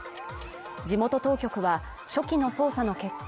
地元当局は初期の捜査の結果